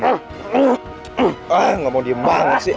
ah nggak mau diem banget sih